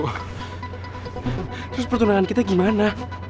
terus pertunangan kita gimana